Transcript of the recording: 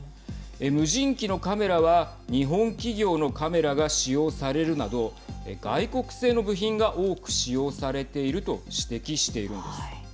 無人機のカメラは日本企業のカメラが使用されるなど外国製の部品が多く使用されていると指摘しているんです。